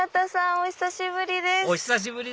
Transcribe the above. お久しぶりです